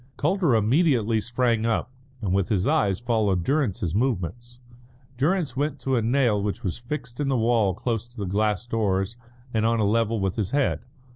Calder immediately sprang up, and with his eyes followed Durrance's movements. Durrance went to a nail which was fixed in the wall close to the glass doors and on a level with his head.